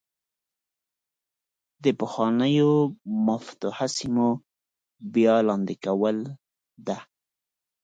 د پخوانو مفتوحه سیمو بیا لاندې کول ده.